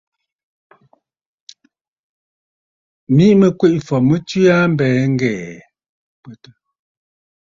Miʼi mɨ Kweʼefɔ̀ tswe aa a mbɛ̀ɛ̀ ŋ̀gɛ̀ɛ̀.